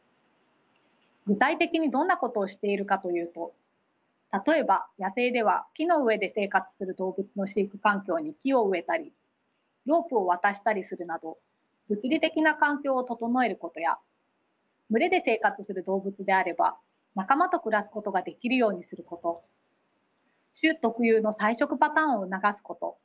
具体的にどんなことをしているかというとたとえば野生では木の上で生活する動物の飼育環境に木を植えたりロープを渡したりするなど物理的な環境を整えることや群れで生活する動物であれば仲間と暮らすことができるようにすること種特有の採食パターンを促すこと